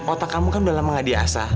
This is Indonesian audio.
otak kamu kan udah lama nggak di asah